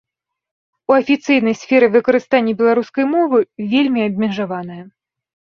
У афіцыйнай сферы выкарыстанне беларускай мовы вельмі абмежаванае.